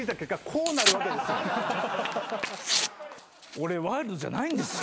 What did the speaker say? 俺ワイルドじゃないんですよ。